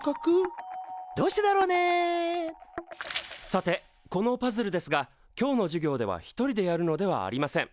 さてこのパズルですが今日の授業では１人でやるのではありません。